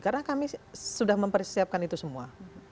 karena kami sudah mempersiapkan itu semua